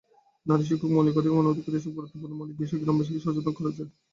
নারী শিক্ষা, মৌলিক অধিকার, মানবাধিকার—এসব গুরুত্বপূর্ণ মৌলিক বিষয়ে গ্রামবাসীকে সচেতন করেছে।